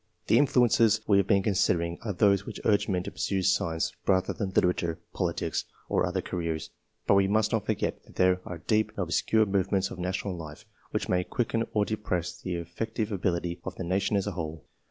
The influences we have been considering, are those which urge men to pursue science rather than literature, politics, or other careers ; but we must not forget that there are deep and ob scure movements of national life, which may quicken or depress the ejQfective ability of the nation as a whole.